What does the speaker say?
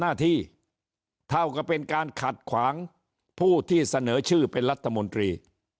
หน้าที่เท่ากับเป็นการขัดขวางผู้ที่เสนอชื่อเป็นรัฐมนตรี